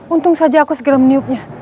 untung saja aku segera meniupnya